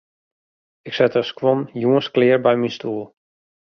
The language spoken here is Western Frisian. Ik set de skuon jûns klear by myn stoel.